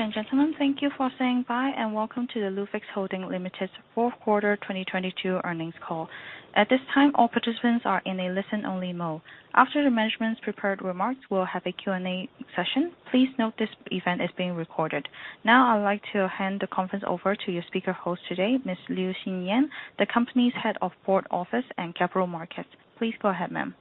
Ladies and gentlemen, thank you for saying bye, and welcome to the Lufax Holding Ltd's fourth quarter 2022 earnings call. At this time, all participants are in a listen-only mode. After the management's prepared remarks, we'll have a Q&A session. Please note this event is being recorded. Now, I would like to hand the conference over to your speaker host today, Miss Liu Xinyan, the company's Head of Board Office and capital markets. Please go ahead, ma'am.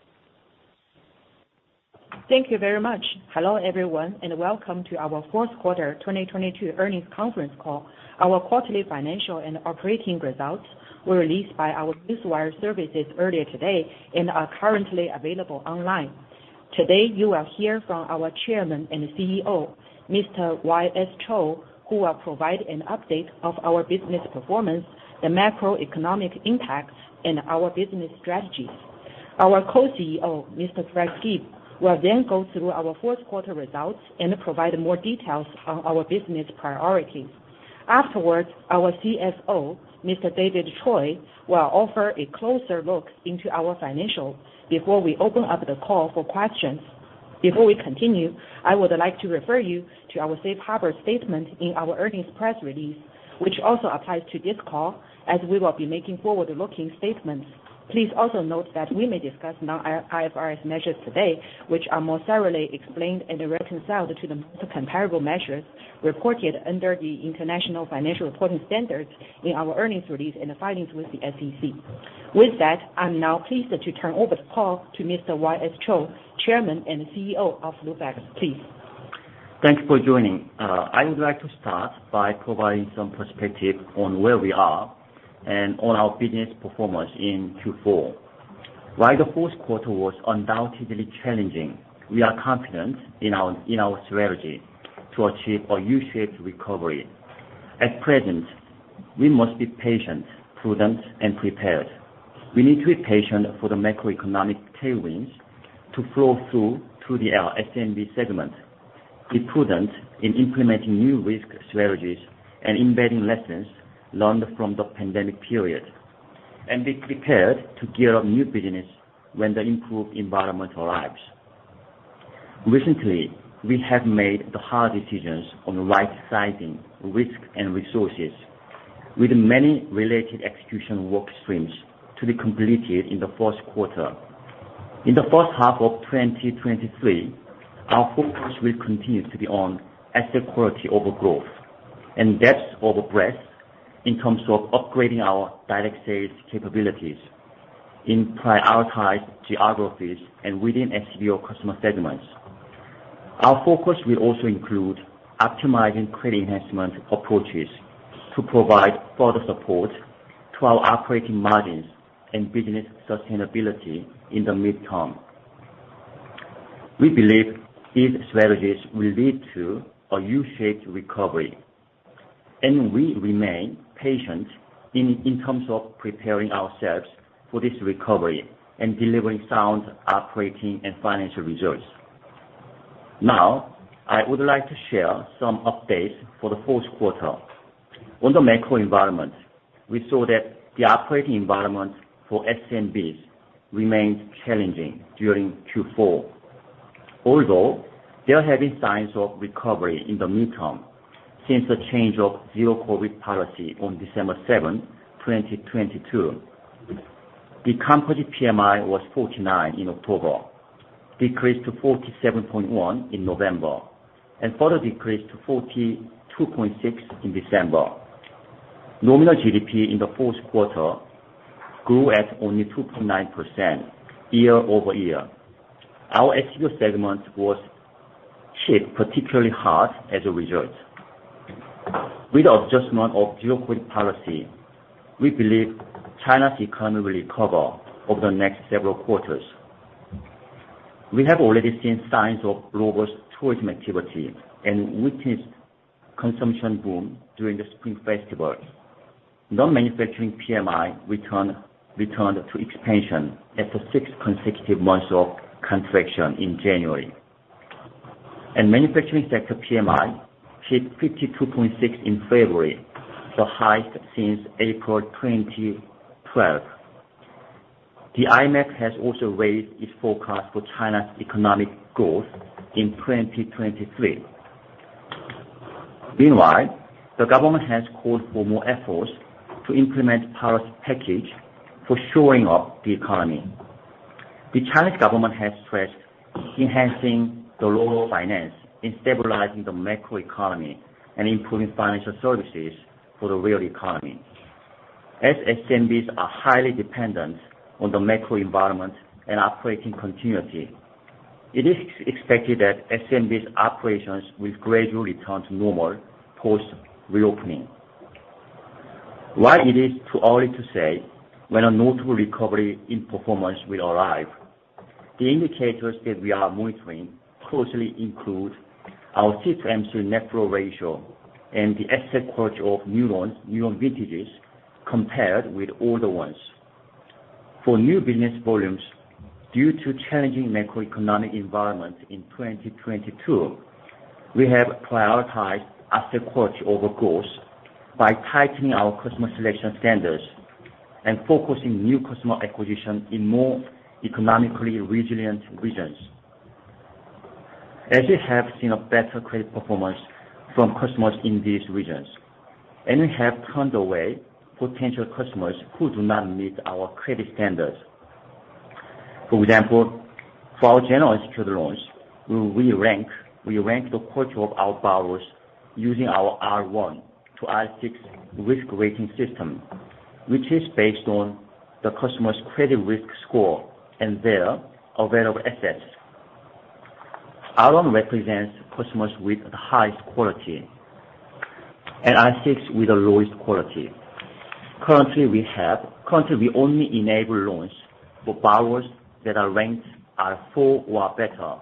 Thank you very much. Hello, everyone, and welcome to our 4th quarter 2022 earnings conference call. Our quarterly financial and operating results were released by our Newswire services earlier today and are currently available online. Today, you will hear from our Chairman and CEO, Mr. Y.S. Cho, who will provide an update of our business performance, the macroeconomic impacts in our business strategies. Our Co-CEO, Mr. Greg Gibb, will then go through our 4th quarter results and provide more details on our business priorities. Afterwards, our CFO, Mr. David Choy, will offer a closer look into our financials before we open up the call for questions. Before we continue, I would like to refer you to our safe harbor statement in our earnings press release, which also applies to this call, as we will be making forward-looking statements. Please also note that we may discuss non-IFRS measures today, which are more thoroughly explained and reconciled to the most comparable measures reported under the International Financial Reporting Standards in our earnings release and the filings with the SEC. With that, I'm now pleased to turn over the call to Mr. Y.S. Cho, Chairman and CEO of Lufax. Please. Thank you for joining. I would like to start by providing some perspective on where we are and on our business performance in Q4. While the fourth quarter was undoubtedly challenging, we are confident in our strategy to achieve a U-shaped recovery. At present, we must be patient, prudent, and prepared. We need to be patient for the macroeconomic tailwinds to flow through to our SMB segment. Be prudent in implementing new risk strategies and embedding lessons learned from the pandemic period, and be prepared to gear up new business when the improved environment arrives. Recently, we have made the hard decisions on right-sizing risk and resources with many related execution work streams to be completed in the first quarter. In the first half of 2023, our focus will continue to be on asset quality over growth and depth over breadth in terms of upgrading our direct sales capabilities in prioritized geographies and within SBO customer segments. Our focus will also include optimizing credit enhancement approaches to provide further support to our operating margins and business sustainability in the midterm. We believe these strategies will lead to a U-shaped recovery, and we remain patient in terms of preparing ourselves for this recovery and delivering sound operating and financial results. Now, I would like to share some updates for Q4. On the macro environment, we saw that the operating environment for SMBs remained challenging during Q4, although there have been signs of recovery in the midterm since the change of zero COVID policy on December 7, 2022. The composite PMI was 49 in October, decreased to 47.1 in November, and further decreased to 42.6 in December. Nominal GDP in the fourth quarter grew at only 2.9% year-over-year. Our SBO segment was hit particularly hard as a result. With the adjustment of zero-COVID policy, we believe China's economy will recover over the next several quarters. We have already seen signs of robust tourism activity and witnessed consumption boom during the Spring Festival. Non-manufacturing PMI returned to expansion after 6 consecutive months of contraction in January. Manufacturing sector PMI hit 52.6 in February, the highest since April 2012. The IMF has also raised its forecast for China's economic growth in 2023. Meanwhile, the government has called for more efforts to implement policy package for shoring up the economy. The Chinese government has stressed enhancing the rural finance in stabilizing the macroeconomy and improving financial services for the real economy. As SMBs are highly dependent on the macroenvironment and operating continuity, it is expected that SMBs operations will gradually return to normal post-reopening. While it is too early to say when a notable recovery in performance will arrive, the indicators that we are monitoring closely include our fee-to-MSU net flow ratio and the asset quality of new loans, new loan vintages, compared with older ones. For new business volumes, due to challenging macroeconomic environment in 2022, we have prioritized asset quality over growth by tightening our customer selection standards. Focusing new customer acquisition in more economically resilient regions. As you have seen a better credit performance from customers in these regions, and we have turned away potential customers who do not meet our credit standards. For example, for our general institutional loans, we rank the quarter of our borrowers using our R1 to R6 risk rating system, which is based on the customer's credit risk score and their available assets. R1 represents customers with the highest quality, and R6 with the lowest quality. Currently, we only enable loans for borrowers that are ranked R4 or better.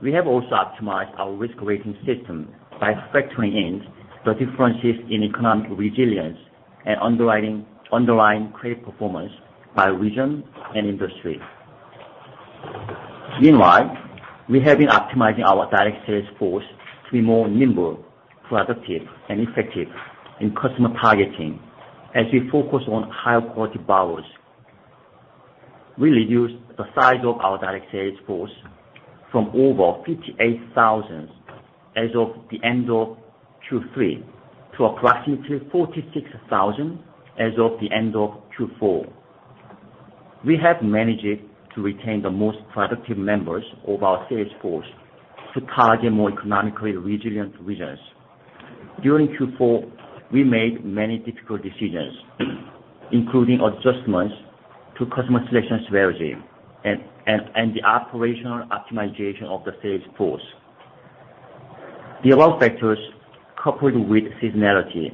We have also optimized our risk rating system by factoring in the differences in economic resilience and underlying credit performance by region and industry. Meanwhile, we have been optimizing our direct sales force to be more nimble, productive, and effective in customer targeting, as we focus on higher quality borrowers. We reduced the size of our direct sales force from over 58,000 as of the end of Q3 to approximately 46,000 as of the end of Q4. We have managed to retain the most productive members of our sales force to target more economically resilient regions. During Q4, we made many difficult decisions, including adjustments to customer selection strategy and the operational optimization of the sales force. The above factors, coupled with seasonality,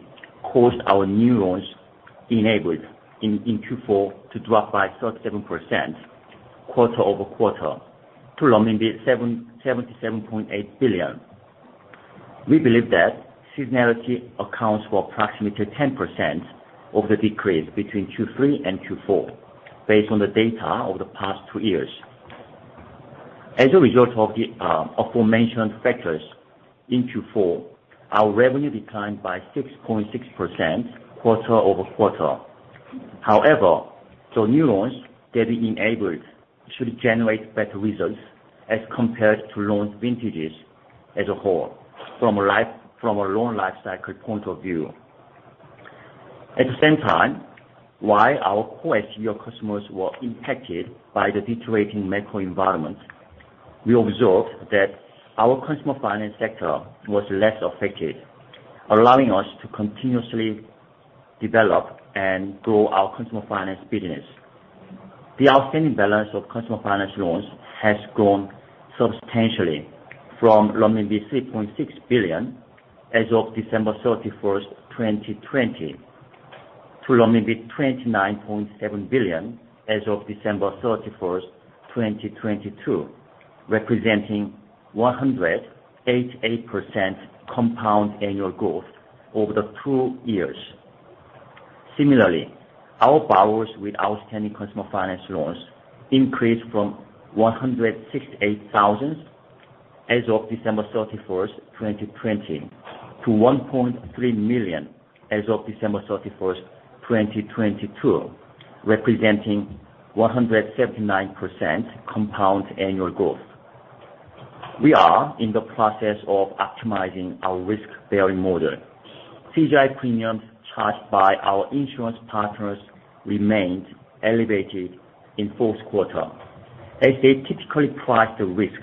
caused our new loans enabled in Q4 to drop by 37% quarter-over-quarter to 77.8 billion. We believe that seasonality accounts for approximately 10% of the decrease between Q3 and Q4 based on the data of the past two years. As a result of the aforementioned factors in Q4, our revenue declined by 6.6% quarter-over-quarter. The new loans that we enabled should generate better results as compared to loans vintages as a whole from a loan life cycle point of view. At the same time, while our core SBO customers were impacted by the deteriorating macro environment, we observed that our customer finance sector was less affected, allowing us to continuously develop and grow our customer finance business. The outstanding balance of customer finance loans has grown substantially from 3.6 billion as of December 31st, 2020, to 29.7 billion as of December 31st, 2022, representing 188% compound annual growth over the two years. Similarly, our borrowers with outstanding customer finance loans increased from 168,000 as of December 31, 2020, to 1.3 million as of December 31, 2022, representing 179% compound annual growth. We are in the process of optimizing our risk-bearing model. CGI premiums charged by our insurance partners remained elevated in fourth quarter, as they typically price the risk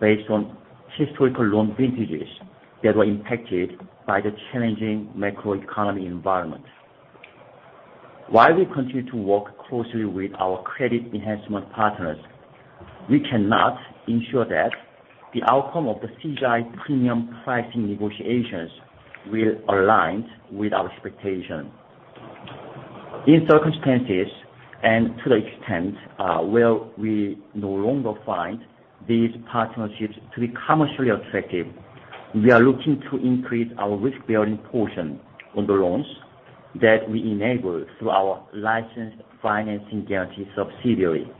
based on historical loan vintages that were impacted by the challenging macroeconomic environment. While we continue to work closely with our credit enhancement partners, we cannot ensure that the outcome of the CGI premium pricing negotiations will align with our expectation. In circumstances, and to the extent, where we no longer find these partnerships to be commercially attractive, we are looking to increase our risk-bearing portion on the loans that we enable through our licensed financing guarantee subsidiary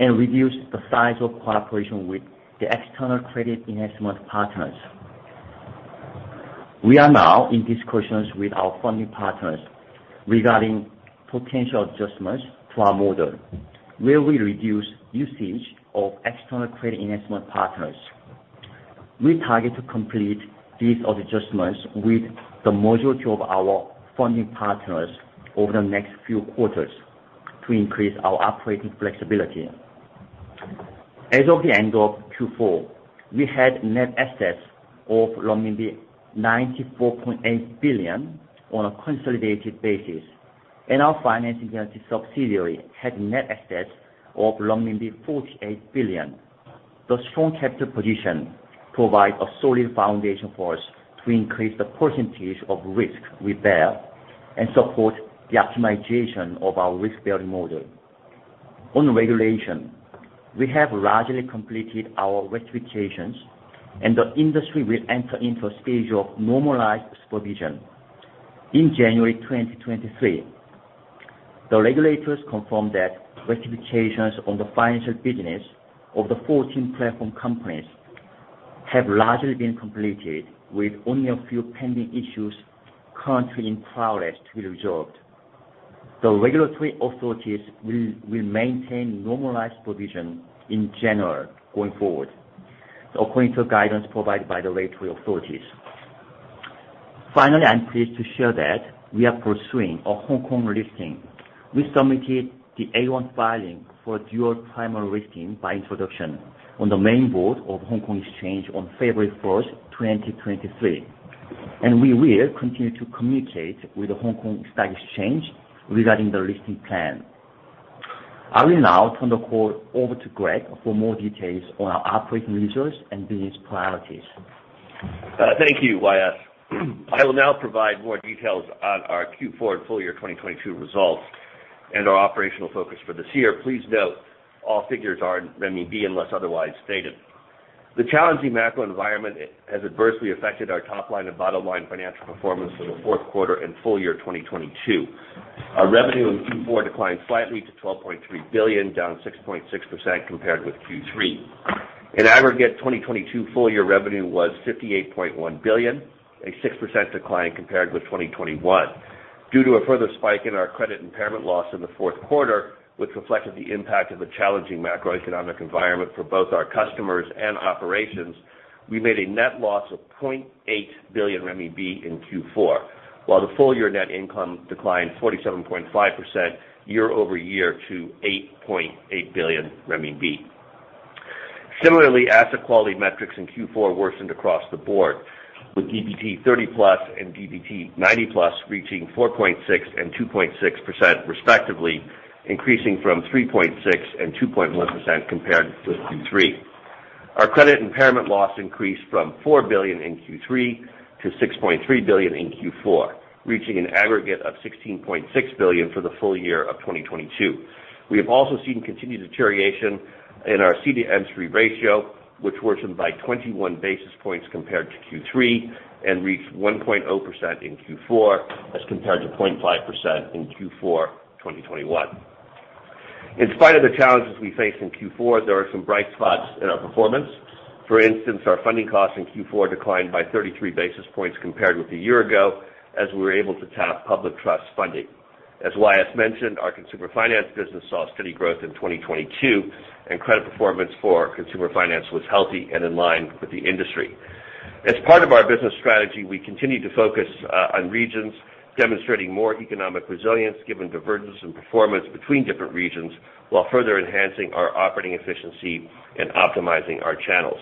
and reduce the size of cooperation with the external credit enhancement partners. We are now in discussions with our funding partners regarding potential adjustments to our model, where we reduce usage of external credit enhancement partners. We target to complete these adjustments with the majority of our funding partners over the next few quarters to increase our operating flexibility. As of the end of Q4, we had net assets of 94.8 billion on a consolidated basis, and our financing guarantee subsidiary had net assets of 48 billion. The strong capital position provide a solid foundation for us to increase the percentage of risk we bear and support the optimization of our risk-bearing model. On regulation, we have largely completed our rectifications, and the industry will enter into a stage of normalized supervision in January 2023. The regulators confirmed that rectifications on the financial business of the 14 platform companies. Have largely been completed with only a few pending issues currently in progress to be resolved. The regulatory authorities will maintain normalized provision in general going forward, so according to guidance provided by the regulatory authorities. Finally, I'm pleased to share that we are pursuing a Hong Kong listing. We submitted the A1 filing for dual primary listing by introduction on the main board of Hong Kong Stock Exchange on February 1, 2023. We will continue to communicate with the Hong Kong Stock Exchange regarding the listing plan. I will now turn the call over to Greg for more details on our operating results and business priorities. Thank you, YS. I will now provide more details on our Q-four and full year 2022 results and our operational focus for this year. Please note, all figures are in renminbi unless otherwise stated. The challenging macro environment has adversely affected our top line and bottom line financial performance for the fourth quarter and full year 2022. Our revenue in Q-four declined slightly to 12.3 billion, down 6.6% compared with Q-three. In aggregate, 2022 full year revenue was 58.1 billion, a 6% decline compared with 2021. Due to a further spike in our credit impairment loss in the fourth quarter, which reflected the impact of a challenging macroeconomic environment for both our customers and operations, we made a net loss of 0.8 billion RMB in Q4, while the full year net income declined 47.5% year-over-year to 8.8 billion renminbi. Similarly, asset quality metrics in Q4 worsened across the board, with DPD 30+ and DPD 90+ reaching 4.6% and 2.6% respectively, increasing from 3.6% and 2.1% compared with Q3. Our credit impairment loss increased from 4 billion RMB in Q3 to 6.3 billion RMB in Q4, reaching an aggregate of 16.6 billion RMB for the full year of 2022. We have also seen continued deterioration in our C-M3 ratio, which worsened by 21 basis points compared to Q3 and reached 1.0% in Q4 as compared to 0.5% in Q4 2021. In spite of the challenges we faced in Q4, there are some bright spots in our performance. For instance, our funding costs in Q4 declined by 33 basis points compared with a year ago, as we were able to tap public trust funding. As YS mentioned, our consumer finance business saw steady growth in 2022, and credit performance for consumer finance was healthy and in line with the industry. As part of our business strategy, we continue to focus on regions demonstrating more economic resilience given divergence in performance between different regions, while further enhancing our operating efficiency and optimizing our channels.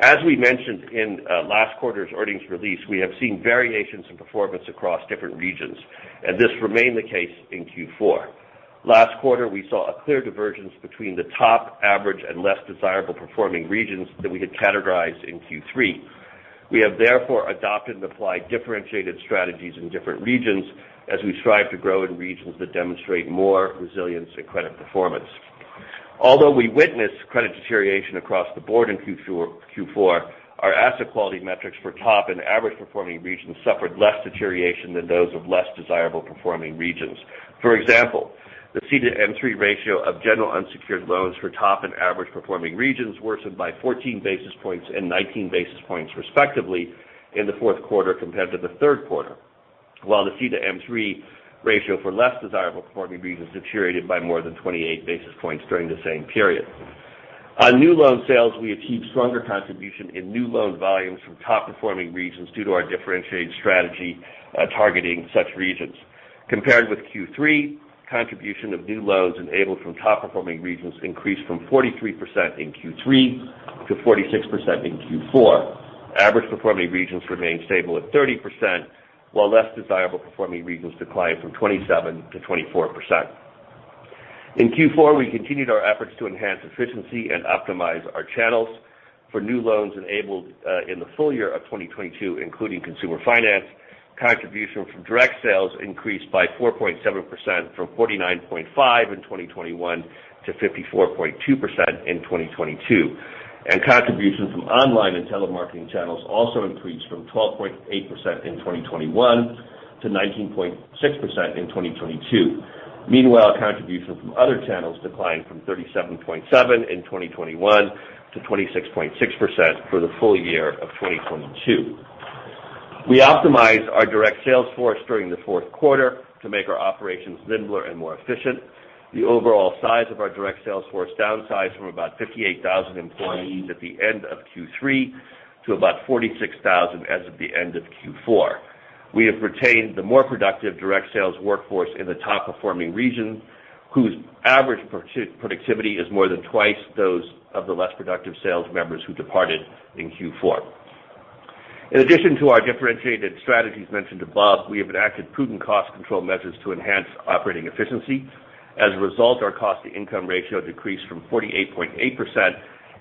As we mentioned in last quarter's earnings release, this remained the case in Q4. Last quarter, we saw a clear divergence between the top, average, and less desirable performing regions that we had categorized in Q3. We have therefore adopted and applied differentiated strategies in different regions as we strive to grow in regions that demonstrate more resilience in credit performance. Although we witnessed credit deterioration across the board in Q4, our asset quality metrics for top and average performing regions suffered less deterioration than those of less desirable performing regions. For example, the C-M3 ratio of general unsecured loans for top and average performing regions worsened by 14 basis points and 19 basis points respectively in the fourth quarter compared to the third quarter. While the C-M3 ratio for less desirable performing regions deteriorated by more than 28 basis points during the same period. On new loan sales, we achieved stronger contribution in new loan volumes from top-performing regions due to our differentiated strategy, targeting such regions. Compared with Q-three, contribution of new loans enabled from top-performing regions increased from 43% in Q-three to 46% in Q-four. Average performing regions remained stable at 30%, while less desirable performing regions declined from 27%-24%. In Q-four, we continued our efforts to enhance efficiency and optimize our channels. For new loans enabled, in the full year of 2022, including consumer finance, contribution from direct sales increased by 4.7% from 49.5% in 2021 to 54.2% in 2022. Contribution from online and telemarketing channels also increased from 12.8% in 2021 to 19.6% in 2022. Meanwhile, contribution from other channels declined from 37.7% in 2021 to 26.6% for the full year of 2022. We optimized our direct sales force during the fourth quarter to make our operations nimbler and more efficient. The overall size of our direct sales force downsized from about 58,000 employees at the end of Q3 to about 46,000 as of the end of Q4. We have retained the more productive direct sales workforce in the top performing regions, whose average productivity is more than twice those of the less productive sales members who departed in Q4. In addition to our differentiated strategies mentioned above, we have enacted prudent cost control measures to enhance operating efficiency. As a result, our cost to income ratio decreased from 48.8%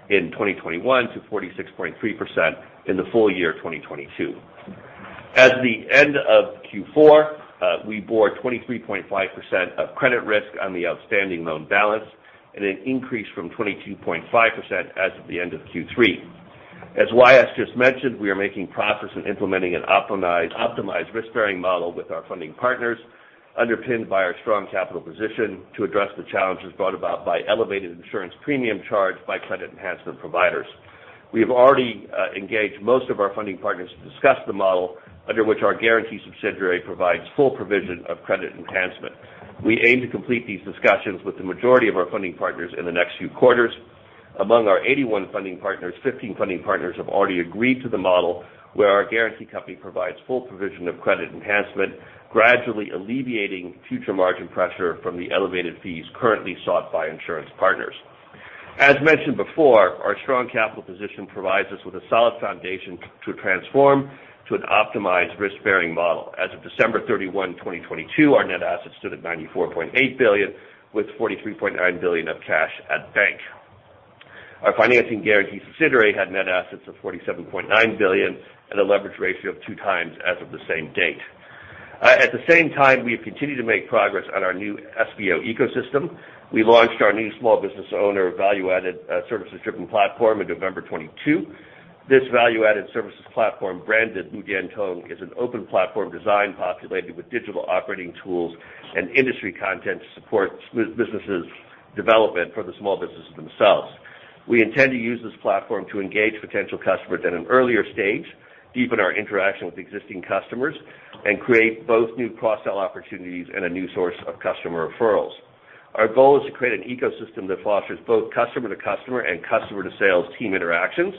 in 2021 to 46.3% in the full year 2022. At the end of Q4, we bore 23.5% of credit risk on the outstanding loan balance at an increase from 22.5% as of the end of Q3. As Y.S. just mentioned, we are making progress in implementing an optimized risk-bearing model with our funding partners. Underpinned by our strong capital position to address the challenges brought about by elevated insurance premium charged by credit enhancement providers. We have already engaged most of our funding partners to discuss the model under which our guarantee subsidiary provides full provision of credit enhancement. We aim to complete these discussions with the majority of our funding partners in the next few quarters. Among our 81 funding partners, 15 funding partners have already agreed to the model where our guarantee company provides full provision of credit enhancement, gradually alleviating future margin pressure from the elevated fees currently sought by insurance partners. As mentioned before, our strong capital position provides us with a solid foundation to transform to an optimized risk-bearing model. As of December 31, 2022, our net assets stood at 94.8 billion, with 43.9 billion of cash at bank. Our financing guarantee subsidiary had net assets of 47.9 billion at a leverage ratio of 2 times as of the same date. At the same time, we have continued to make progress on our new SBO ecosystem. We launched our new small business owner value-added services-driven platform in November 2022. This value-added services platform, branded LuDianTong, is an open platform design populated with digital operating tools and industry content to support businesses development for the small businesses themselves. We intend to use this platform to engage potential customers at an earlier stage, deepen our interaction with existing customers, and create both new cross-sell opportunities and a new source of customer referrals. Our goal is to create an ecosystem that fosters both customer to customer and customer to sales team interactions,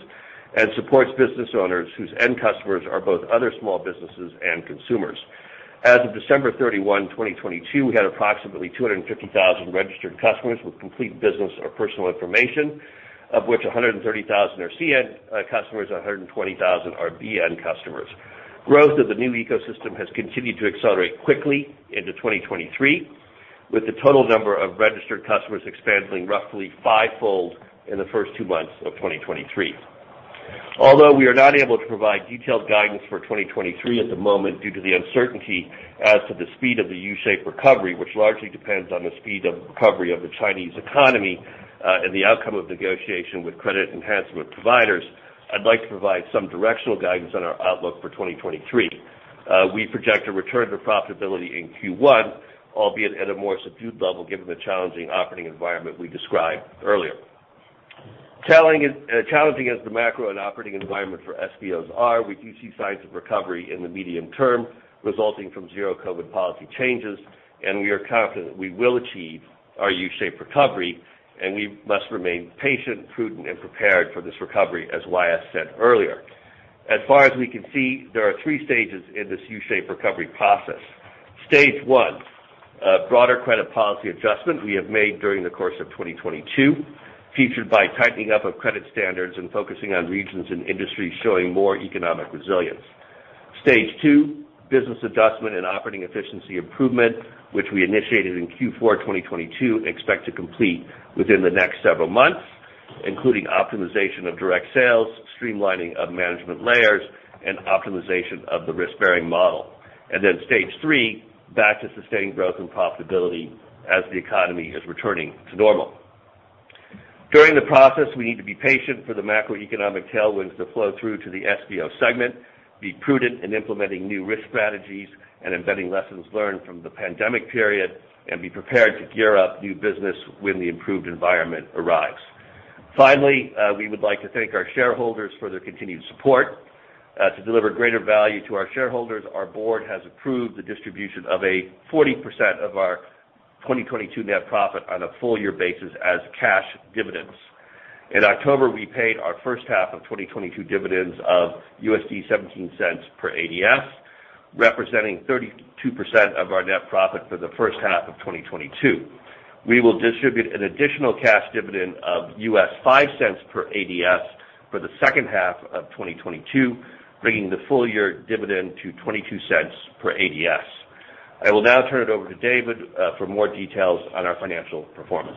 and supports business owners whose end customers are both other small businesses and consumers. As of December 31, 2022, we had approximately 250,000 registered customers with complete business or personal information, of which 130,000 are C-end customers, 120,000 are B-end customers. Growth of the new ecosystem has continued to accelerate quickly into 2023, with the total number of registered customers expanding roughly fivefold in the first two months of 2023. Although we are not able to provide detailed guidance for 2023 at the moment due to the uncertainty as to the speed of the U-shaped recovery, which largely depends on the speed of recovery of the Chinese economy, and the outcome of negotiation with credit enhancement providers, I'd like to provide some directional guidance on our outlook for 2023. We project a return to profitability in Q1, albeit at a more subdued level given the challenging operating environment we described earlier. Challenging as the macro and operating environment for SBOs are, we do see signs of recovery in the medium term resulting from zero-COVID policy changes, and we are confident we will achieve our U-shaped recovery, and we must remain patient, prudent, and prepared for this recovery, as Y.S. Cho said earlier. As far as we can see, there are three stages in this U-shaped recovery process. Stage one, a broader credit policy adjustment we have made during the course of 2022, featured by tightening up of credit standards and focusing on regions and industries showing more economic resilience. Stage two, business adjustment and operating efficiency improvement, which we initiated in Q4 2022, expect to complete within the next several months, including optimization of direct sales, streamlining of management layers, and optimization of the risk-bearing model. Stage 3, back to sustaining growth and profitability as the economy is returning to normal. During the process, we need to be patient for the macroeconomic tailwinds to flow through to the SBO segment, be prudent in implementing new risk strategies, and embedding lessons learned from the pandemic period, and be prepared to gear up new business when the improved environment arrives. Finally, we would like to thank our shareholders for their continued support. To deliver greater value to our shareholders, our board has approved the distribution of a 40% of our 2022 net profit on a full-year basis as cash dividends. In October, we paid our first half of 2022 dividends of $0.17 per ADS, representing 32% of our net profit for the first half of 2022. We will distribute an additional cash dividend of $0.05 per ADS for the second half of 2022, bringing the full-year dividend to $0.22 per ADS. I will now turn it over to David, for more details on our financial performance.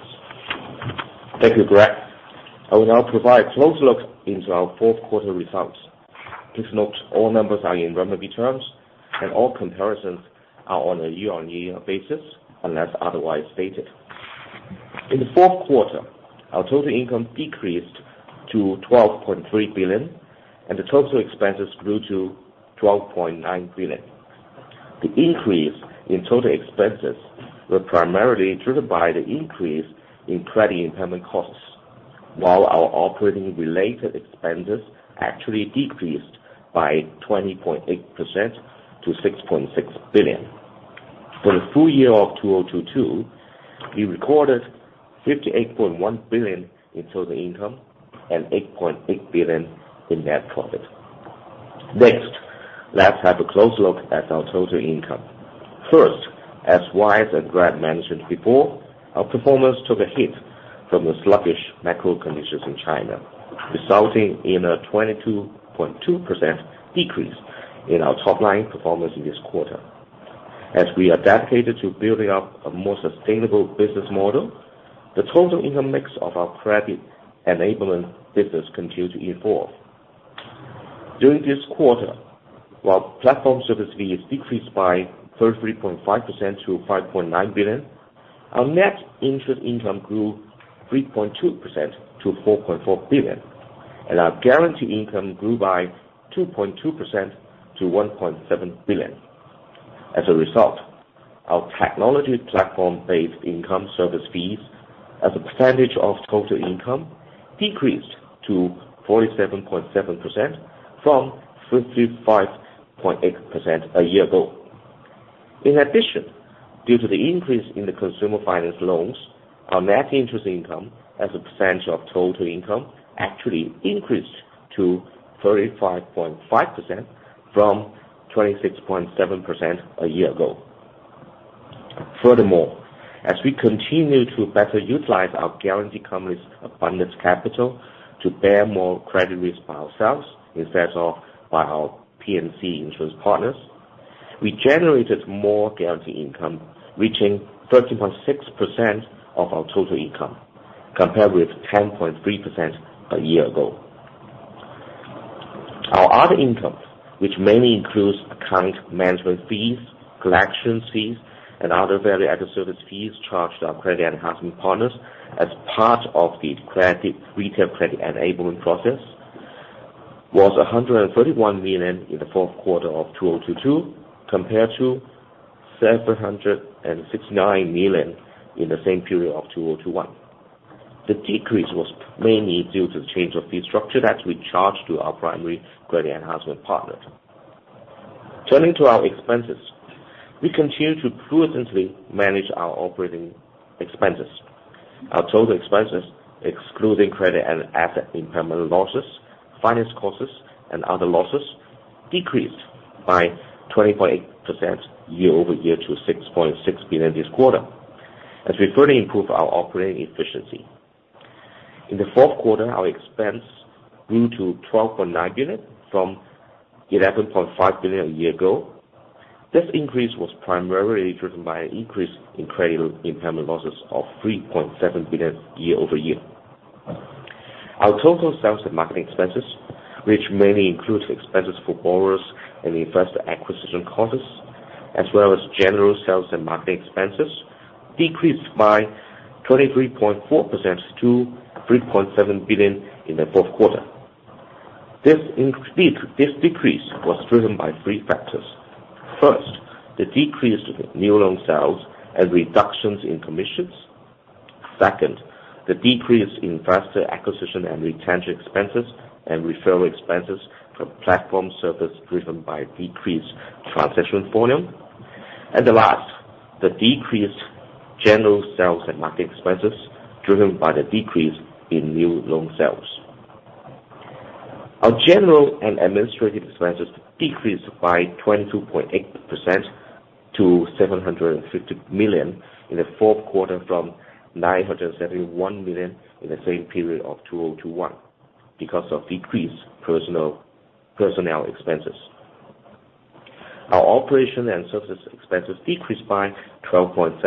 Thank you, Greg. I will now provide close look into our fourth quarter results. Please note, all numbers are in renminbi terms, and all comparisons are on a year-on-year basis unless otherwise stated. In the fourth quarter, our total income decreased to 12.3 billion, and the total expenses grew to 12.9 billion. The increase in total expenses were primarily driven by the increase in credit impairment costs, while our operating-related expenses actually decreased by 20.8% to 6.6 billion. For the full year of 2022, we recorded 58.1 billion in total income and 8.8 billion in net profit. Next, let's have a close look at our total income. First, as Y.S. Cho and Greg Gibb mentioned before, our performance took a hit from the sluggish macro conditions in China, resulting in a 22.2% decrease in our top-line performance in this quarter. As we adapted to building up a more sustainable business model, the total income mix of our credit enablement business continued to evolve. During this quarter, while platform service fees decreased by 33.5% to 5.9 billion. Our net interest income grew 3.2% to 4.4 billion, and our guarantee income grew by 2.2% to 1.7 billion. As a result, our technology platform-based income service fees as a percentage of total income decreased to 47.7% from 55.8% a year ago. In addition, due to the increase in the consumer finance loans, our net interest income as a percentage of total income actually increased to 35.5% from 26.7% a year ago. As we continue to better utilize our guarantee company's abundance capital to bear more credit risk by ourselves instead of by our P&C insurance partners, we generated more guarantee income, reaching 13.6% of our total income, compared with 10.3% a year ago. Our other income, which mainly includes account management fees, collection fees, and other value-added service fees charged to our credit enhancement partners as part of the retail credit enabling process, was 131 million in the fourth quarter of 2022, compared to 769 million in the same period of 2021. The decrease was mainly due to the change of fee structure that we charge to our primary credit enhancement partner. Turning to our expenses, we continue to prudently manage our operating expenses. Our total expenses, excluding credit and asset impairment losses, finance costs, and other losses, decreased by 20.8% year-over-year to $6.6 billion this quarter. As we further improve our operating efficiency. In the fourth quarter, our expense grew to $12.9 billion from $11.5 billion a year ago. This increase was primarily driven by an increase in credit impairment losses of $3.7 billion year-over-year. Our total sales and marketing expenses, which mainly includes expenses for borrowers and investor acquisition costs, as well as general sales and marketing expenses, decreased by 23.4% to $3.7 billion in the fourth quarter. Indeed, this decrease was driven by three factors. First, the decrease of new loan sales and reductions in commissions. Second, the decrease in faster acquisition and retention expenses and referral expenses from platform service driven by decreased transaction volume. The last, the decreased general sales and marketing expenses driven by the decrease in new loan sales. Our general and administrative expenses decreased by 22.8% to $750 million in the fourth quarter from $971 million in the same period of 2021 because of decreased personnel expenses. Our operation and service expenses decreased by 12.7%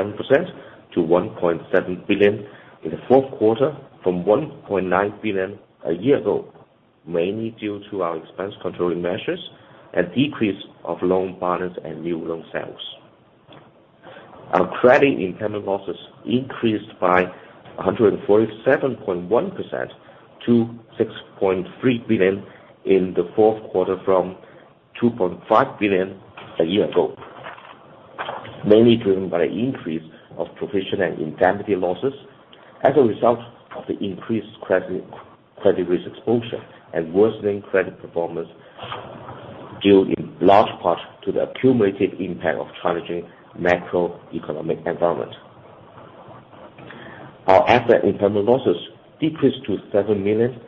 to $1.7 billion in the fourth quarter from $1.9 billion a year ago, mainly due to our expense controlling measures and decrease of loan balance and new loan sales. Our credit impairment losses increased by 147.1% to 6.3 billion in the fourth quarter from 2.5 billion a year ago, mainly driven by the increase of provision and indemnity losses as a result of the increased credit risk exposure and worsening credit performance due in large part to the accumulated impact of challenging macroeconomic environment. Our asset impairment losses decreased to 7 million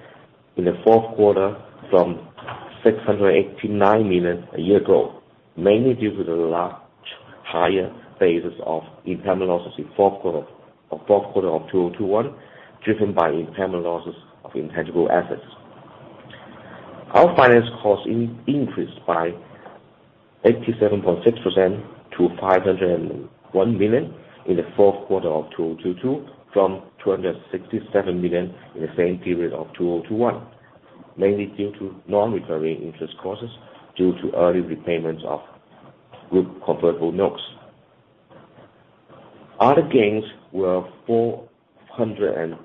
in the fourth quarter from 689 million a year ago, mainly due to the large higher phases of impairment losses in fourth quarter of 2021, driven by impairment losses of intangible assets. Our finance costs increased by 87.6% to $501 million in the fourth quarter of 2022 from $267 million in the same period of 2021, mainly due to non-recurring interest costs due to early repayments of group convertible notes. Other gains were $419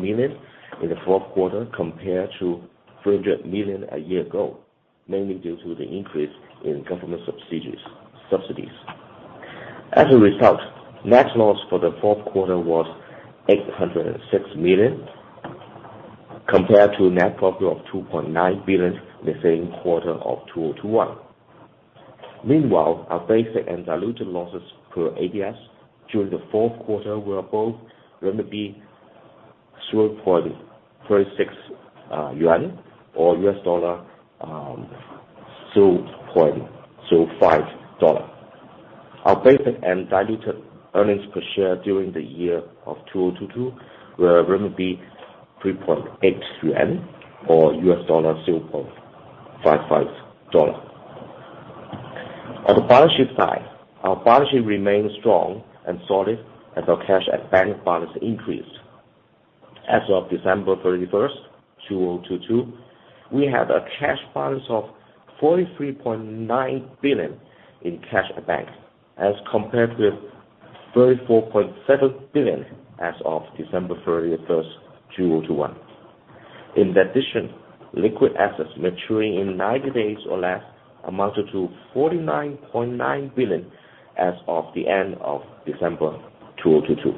million in the fourth quarter compared to $300 million a year ago, mainly due to the increase in government subsidies. As a result, net loss for the fourth quarter was $806 million compared to net profit of $2.9 billion the same quarter of 2021. Meanwhile, our basic and diluted losses per ADS during the fourth quarter were both 0.06 yuan or $0.05. Our basic and diluted earnings per share during the year of 2022 were 3.8 or $0.55. On the balance sheet side, our balance sheet remains strong and solid as our cash and bank balance increased. As of December 31st, 2022, we have a cash balance of 43.9 billion in cash in bank, as compared with 34.7 billion as of December 31st, 2021. Liquid assets maturing in 90 days or less amounted to 49.9 billion as of the end of December 2022.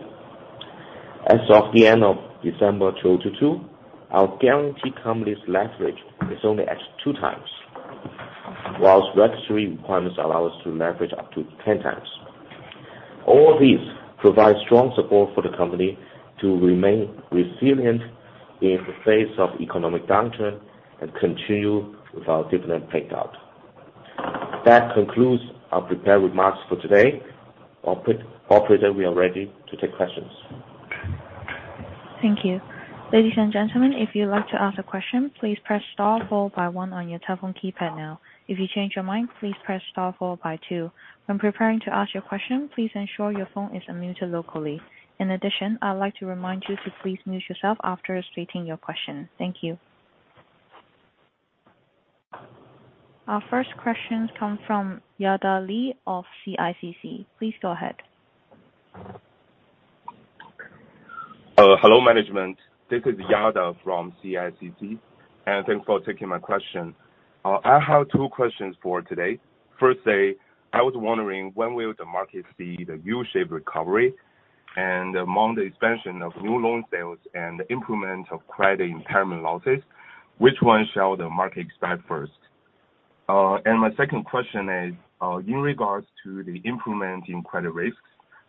As of the end of December 2022, our guarantee company's leverage is only at 2 times, whilst regulatory requirements allow us to leverage up to 10 times. All these provide strong support for the company to remain resilient in the face of economic downturn and continue with our dividend payout. That concludes our prepared remarks for today. Operator, we are ready to take questions. Thank you. Ladies and gentlemen, if you'd like to ask a question, please press star four by one on your telephone keypad now. If you change your mind, please press star four by two. When preparing to ask your question, please ensure your phone is unmuted locally. In addition, I'd like to remind you to please mute yourself after stating your question. Thank you. Our first question comes from Yada Li of CICC. Please go ahead. Hello, management. This is Yada from CICC, and thanks for taking my question. I have two questions for today. First, I was wondering when will the market see the U-shaped recovery, and among the expansion of new loan sales and the improvement of credit impairment losses, which one shall the market expect first? My second question is, in regards to the improvement in credit risks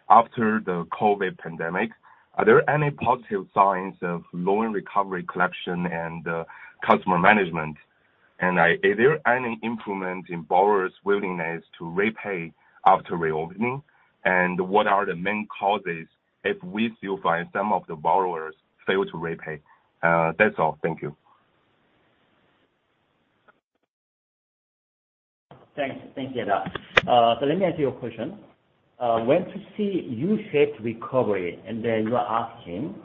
after the COVID pandemic, are there any positive signs of loan recovery collection and customer management? Are there any improvement in borrowers' willingness to repay after reopening? What are the main causes if we still find some of the borrowers fail to repay? That's all. Thank you. Thanks. Thank you, Yada. Let me answer your question. When to see U-shaped recovery, you are asking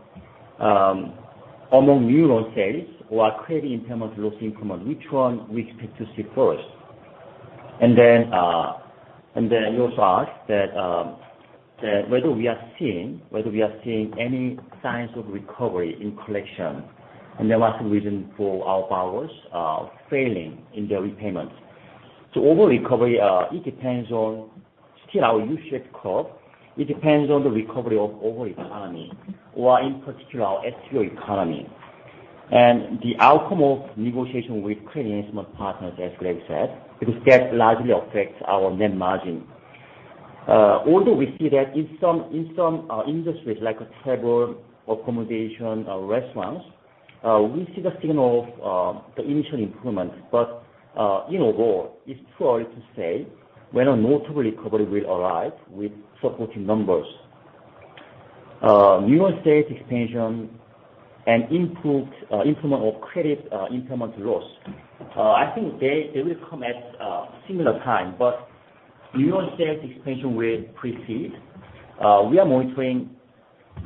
among new loan sales or credit impairment loss improvement, which one we expect to see first. You also ask that whether we are seeing any signs of recovery in collection, and there are some reason for our borrowers failing in their repayments. Overall recovery, it depends on still our U-shaped curve. It depends on the recovery of overall economy or in particular our H2O economy. The outcome of negotiation with credit instrument partners, as Greg said, because that largely affects our net margin. Although we see that in some industries like travel, accommodation or restaurants, we see the signal of the initial improvement. In overall, it's too early to say when a notable recovery will arrive with supporting numbers. New loan sales expansion and improved improvement of credit impairment loss. I think they will come at a similar time, but new loan sales expansion will precede. We are monitoring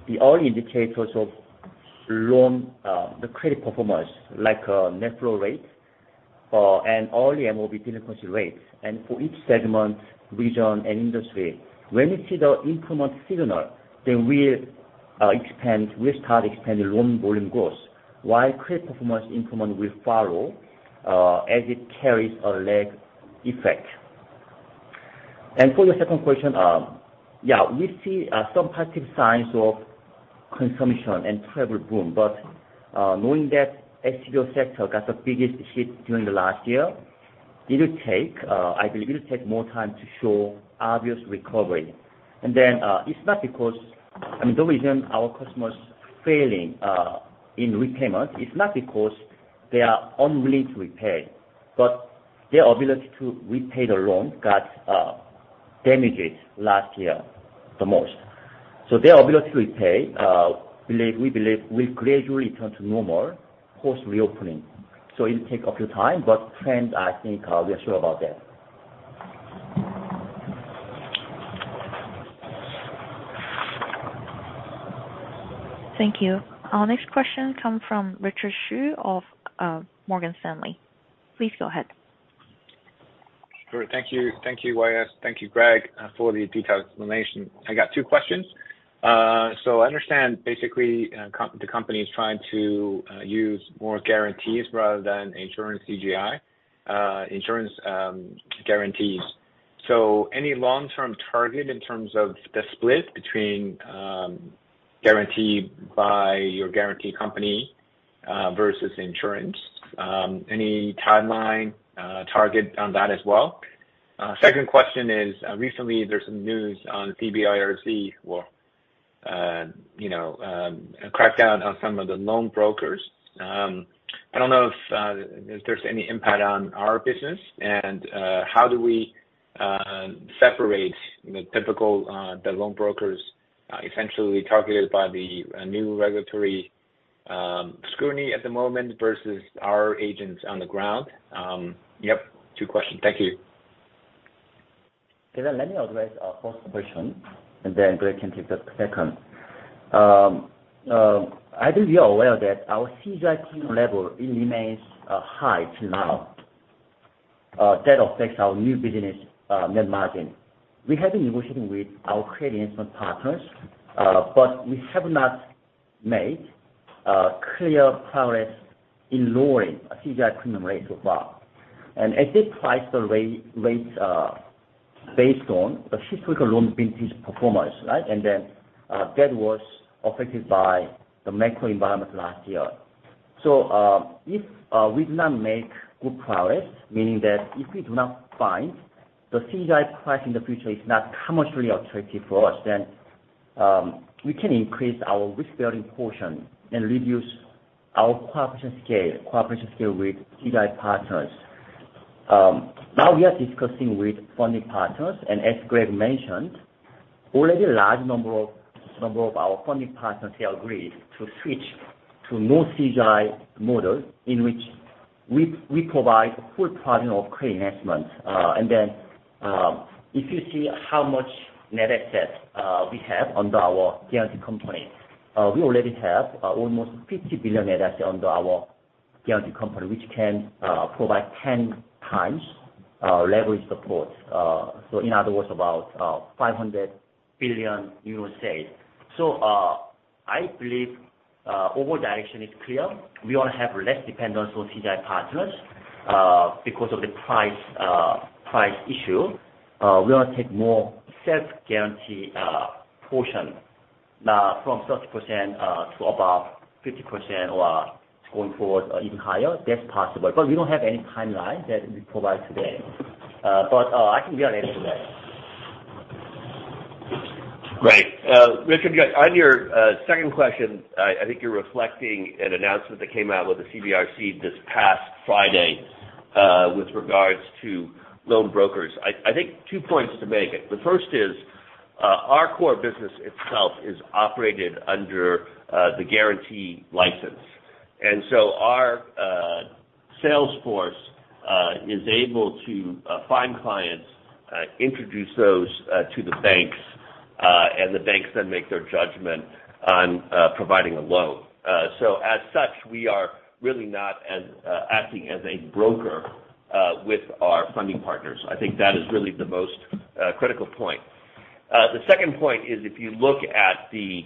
the early indicators of loan the credit performance, like net flow rate and early MOB delinquency rates for each segment, region and industry. When we see the improvement signal, then we'll start expanding loan volume growth, while credit performance improvement will follow as it carries a lag effect. For your second question, yeah, we see some positive signs of consumption and travel boom. Knowing that H2O sector got the biggest hit during the last year, it'll take, I believe it'll take more time to show obvious recovery. I mean, the reason our customers failing in repayment is not because they are unwilling to repay, but their ability to repay the loan got damages last year the most. Their ability to repay, we believe will gradually return to normal post-reopening. It'll take a few time, but trend, I think, we are sure about that. Thank you. Our next question come from Richard Xu of Morgan Stanley. Please go ahead. Sure. Thank you. Thank you, Y.S. Thank you, Greg, for the detailed explanation. I got two questions. I understand basically, the company is trying to use more guarantees rather than insurance CGI, insurance guarantees. Any long-term target in terms of the split between guarantee by your guarantee company versus insurance, any timeline target on that as well? Second question is, recently there's some news on CBIRC or, you know, a crackdown on some of the loan brokers. I don't know if there's any impact on our business and how do we separate the typical loan brokers essentially targeted by the new regulatory scrutiny at the moment versus our agents on the ground? Yep, two questions. Thank you. Okay, let me address first question, and then Greg can take the second. I think you're aware that our CGI premium level remains high till now. That affects our new business net margin. We have been negotiating with our credit instrument partners, but we have not made clear progress in lowering a CGI premium rate so far. As they price the rates based on the historical loan vintage performance, right? That was affected by the macro environment last year. If we do not make good progress, meaning that if we do not find the CGI price in the future is not commercially attractive for us, then we can increase our risk-bearing portion and reduce our cooperation scale with CGI partners. Now we are discussing with funding partners. As Greg mentioned, already a large number of our funding partners, they agreed to switch to no CGI models in which we provide full product of credit enhancement. If you see how much net assets we have under our guarantee company, we already have almost 50 billion net assets under our guarantee company, which can provide 10 times leverage support. In other words, about $500 billion. I believe overall direction is clear. We wanna have less dependence on CGI partners because of the price issue. We wanna take more self-guarantee portion from 30% to above 50% or going forward or even higher. That's possible. We don't have any timeline that we provide today. I think we are able to that. Great. Richard, on your second question, I think you're reflecting an announcement that came out with the CBRC this past Friday, with regards to loan brokers. I think 2 points to make. The first is, our core business itself is operated under the guarantee license. Our sales force is able to find clients, introduce those to the banks, and the banks then make their judgment on providing a loan. As such, we are really not acting as a broker with our funding partners. I think that is really the most critical point. The second point is if you look at the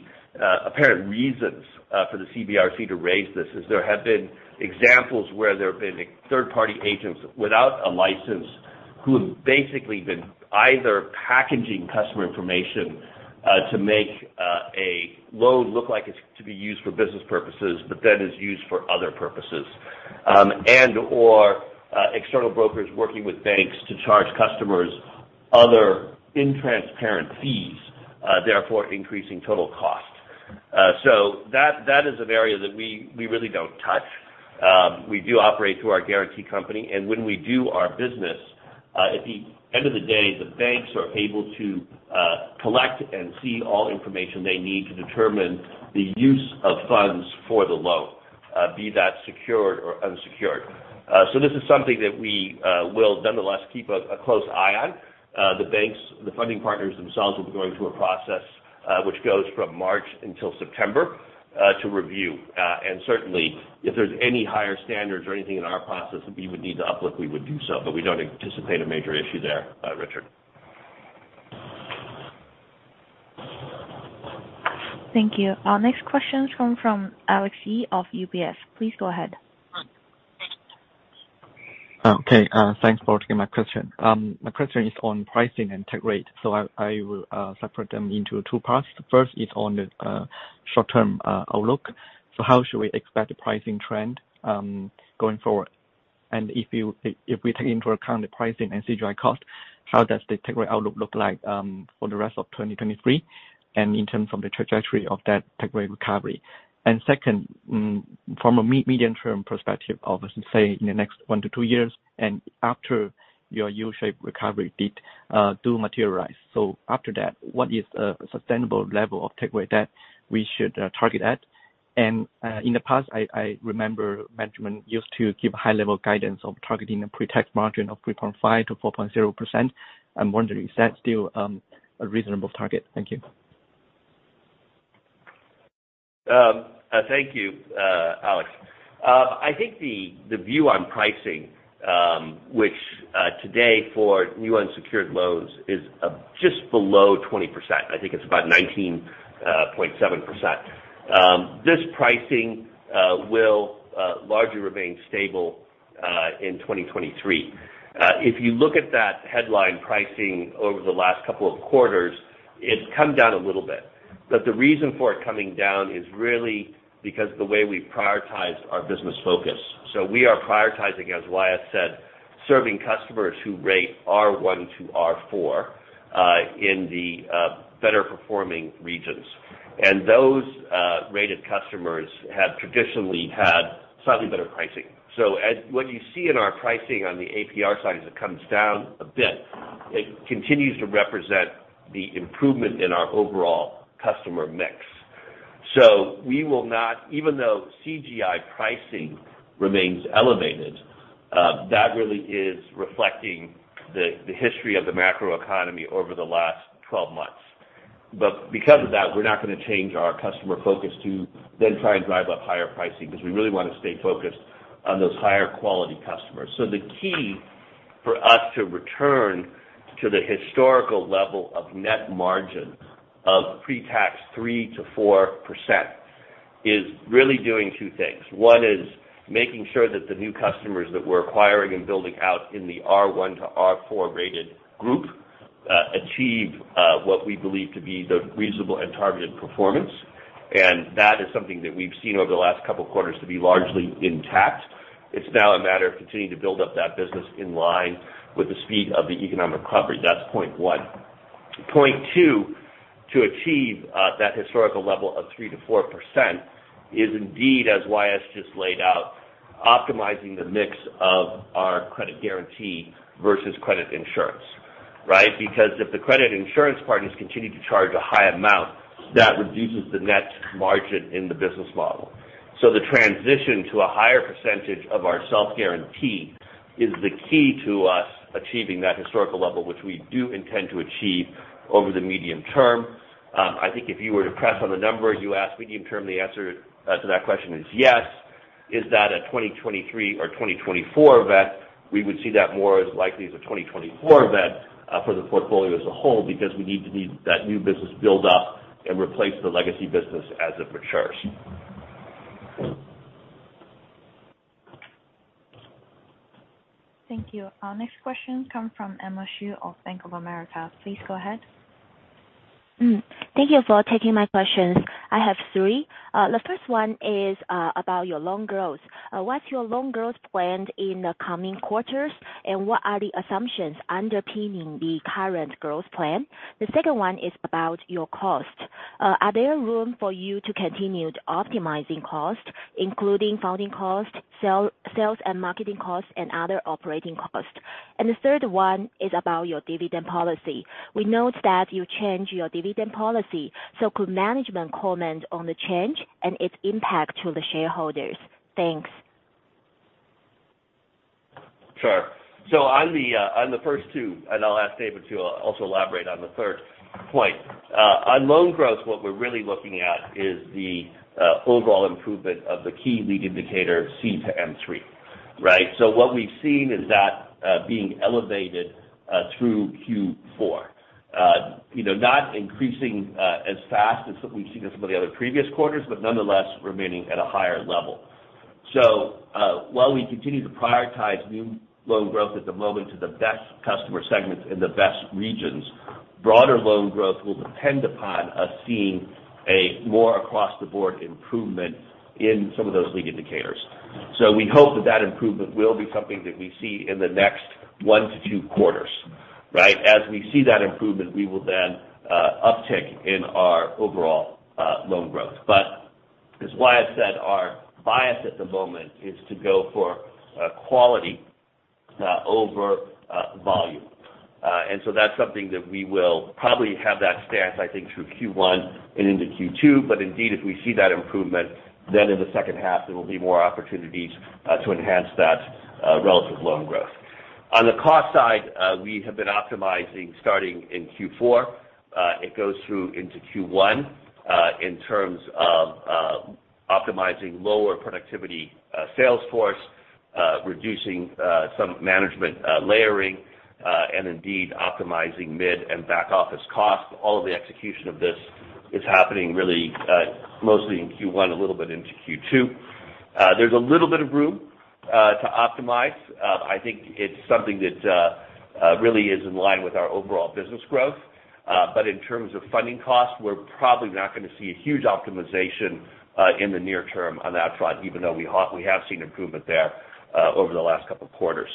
apparent reasons for the CBRC to raise this, is there have been examples where there have been third-party agents without a license who have basically been either packaging customer information to make a loan look like it's to be used for business purposes, but then is used for other purposes. Or external brokers working with banks to charge customers other intransparent fees, therefore increasing total cost. That is an area that we really don't touch. We do operate through our guarantee company, and when we do our business, at the end of the day, the banks are able to collect and see all information they need to determine the use of funds for the loan, be that secured or unsecured. This is something that we will nonetheless keep a close eye on. The banks, the funding partners themselves will be going through a process which goes from March until September to review. Certainly, if there's any higher standards or anything in our process that we would need to uplift, we would do so, but we don't anticipate a major issue there, Richard. Thank you. Our next question's from Alex Ye of UBS. Please go ahead. Okay. Thanks for taking my question. My question is on pricing and take rate. I will separate them into two parts. First is on the short-term outlook. How should we expect the pricing trend going forward? If we take into account the pricing and CGI cost, how does the take rate outlook look like for the rest of 2023 and in terms of the trajectory of that take rate recovery? Second, from a medium-term perspective of, say, in the next one to two years and after your U-shaped recovery did do materialize. After that, what is a sustainable level of take rate that we should target at? In the past, I remember management used to give high level guidance of targeting a pre-tax margin of 3.5%-4.0%. I'm wondering, is that still a reasonable target? Thank you. Thank you, Alex. I think the view on pricing, which today for new unsecured loans is just below 20%. I think it's about 19.7%. This pricing will largely remain stable in 2023. If you look at that headline pricing over the last couple of quarters, it's come down a little bit. The reason for it coming down is really because the way we prioritize our business focus. We are prioritizing, as Y.S. Said, serving customers who rate R1 to R4, in the better performing regions. Those rated customers have traditionally had slightly better pricing. As what you see in our pricing on the APR side, as it comes down a bit, it continues to represent the improvement in our overall customer mix. We will not even though CGI pricing remains elevated, that really is reflecting the history of the macroeconomy over the last 12 months. Because of that, we're not gonna change our customer focus to then try and drive up higher pricing, because we really wanna stay focused on those higher quality customers. The key for us to return to the historical level of net margin of pre-tax 3%-4% is really doing two things. One is making sure that the new customers that we're acquiring and building out in the R1 to R4 rated group achieve what we believe to be the reasonable and targeted performance. That is something that we've seen over the last couple quarters to be largely intact. It's now a matter of continuing to build up that business in line with the speed of the economic recovery. That's point one. Point two, to achieve that historical level of 3%-4% is indeed, as Y.S. just laid out, optimizing the mix of our credit guarantee versus credit insurance, right? Because if the credit insurance partners continue to charge a high amount, that reduces the net margin in the business model. So the transition to a higher percentage of our self-guarantee is the key to us achieving that historical level, which we do intend to achieve over the medium term. I think if you were to press on the number you asked, medium term, the answer to that question is yes. Is that a 2023 or 2024 event? We would see that more as likely as a 2024 event for the portfolio as a whole, because we need that new business build up and replace the legacy business as it matures. Thank you. Our next question come from Emma Xu of Bank of America. Please go ahead. Thank you for taking my questions. I have three. The first one is, about your loan growth. What's your loan growth planned in the coming quarters, and what are the assumptions underpinning the current growth plan? The second one is about your cost. Are there room for you to continue to optimizing cost, including funding costs, sales and marketing costs, and other operating costs? The third one is about your dividend policy. We note that you change your dividend policy, so could management comment on the change and its impact to the shareholders? Thanks. On the, on the first two, and I'll ask David to also elaborate on the third point. On loan growth, what we're really looking at is the overall improvement of the key lead indicator C-M3, right? What we've seen is that being elevated through Q4. You know, not increasing as fast as what we've seen in some of the other previous quarters, but nonetheless remaining at a higher level. While we continue to prioritize new loan growth at the moment to the best customer segments in the best regions, broader loan growth will depend upon us seeing a more across-the-board improvement in some of those lead indicators. We hope that that improvement will be something that we see in the next 1 to 2 quarters, right? As we see that improvement, we will then uptick in our overall loan growth. As YS said, our bias at the moment is to go for quality over volume. That's something that we will probably have that stance, I think, through Q1 and into Q2. Indeed, if we see that improvement, then in the second half, there will be more opportunities to enhance that relative loan growth. On the cost side, we have been optimizing starting in Q4. It goes through into Q1 in terms of optimizing lower productivity sales force, reducing some management layering, and indeed optimizing mid and back office costs. All of the execution of this is happening really mostly in Q1, a little bit into Q2. There's a little bit of room to optimize. I think it's something that really is in line with our overall business growth. But in terms of funding costs, we're probably not gonna see a huge optimization in the near term on that front, even though we have seen improvement there over the last couple of quarters.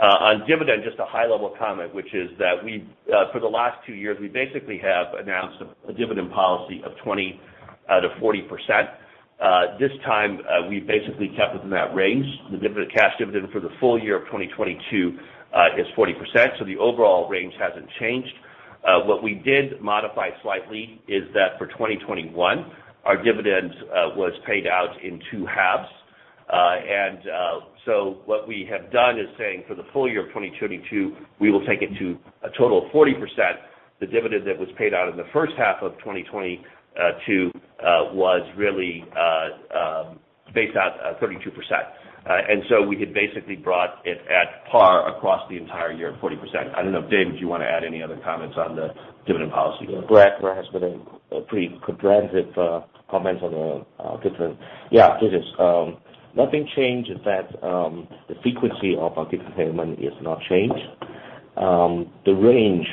On dividend, just a high level comment, which is that we for the last two years, we basically have announced a dividend policy of 20%-40%. This time, we've basically kept within that range. The dividend, cash dividend for the full year of 2022, is 40%, so the overall range hasn't changed. What we did modify slightly is that for 2021, our dividend was paid out in two halves. What we have done is saying for the full year of 2022, we will take it to a total of 40%. The dividend that was paid out in the first half of 2020, two, was really based on 32%. We had basically brought it at par across the entire year of 40%. I don't know, David, do you wanna add any other comments on the dividend policy? Brett has been pretty comprehensive comment on the different. Yeah, it is. Nothing changed is that the frequency of our dividend payment is not changed. The range,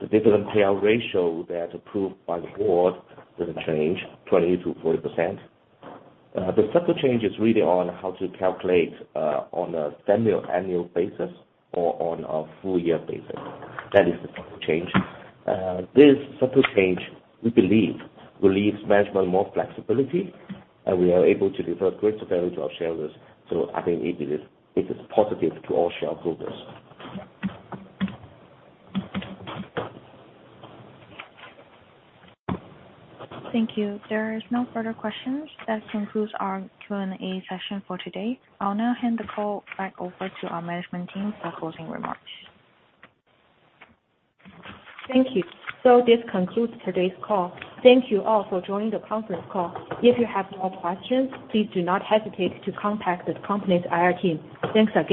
the dividend payout ratio that approved by the board didn't change, 20%-40%. The subtle change is really on how to calculate on a semi-annual basis or on a full year basis. That is the subtle change. This subtle change, we believe, relieves management more flexibility, and we are able to deliver greater value to our shareholders. I think it is, it is positive to all shareholders. Thank you. There is no further questions. That concludes our Q&A session for today. I'll now hand the call back over to our management team for closing remarks. Thank you. This concludes today's call. Thank you all for joining the conference call. If you have more questions, please do not hesitate to contact the company's IR team. Thanks again.